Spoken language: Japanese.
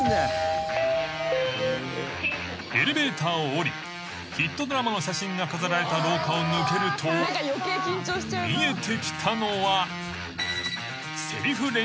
［エレベーターを降りヒットドラマの写真が飾られた廊下を抜けると見えてきたのはせりふ練習室］